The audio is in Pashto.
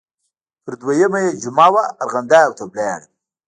پر دویمه یې جمعه وه ارغنداو ته لاړم.